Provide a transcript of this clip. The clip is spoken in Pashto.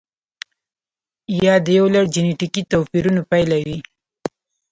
یا د یو لړ جنتیکي توپیرونو پایله وي.